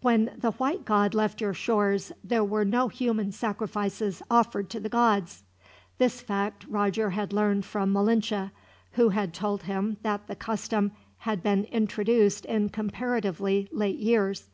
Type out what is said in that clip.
"When the white god left your shores, there were no human sacrifices offered to the gods" this fact Roger had learned from Malinche, who had told him that the custom had been introduced in comparatively late years.